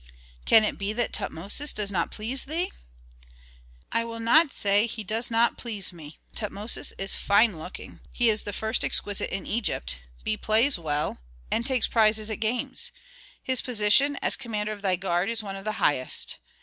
"Can it be that Tutmosis does not please thee?" "I will not say that he does not please me. Tutmosis is fine looking; he is the first exquisite in Egypt, he plays well, and takes prizes at games. His position, as commander of thy guard, is one of the highest.